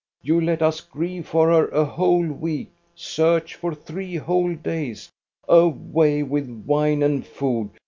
You let us grieve for her a whole week, search for three whole days. Away with wine and food!